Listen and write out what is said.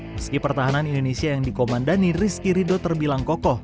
meski pertahanan indonesia yang dikomandani rizky ridho terbilang kokoh